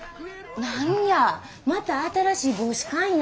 何やまた新しい帽子かいな。